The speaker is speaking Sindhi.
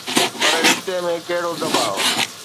پر رشتي ۾ ڪهڙو دٻاءُ؟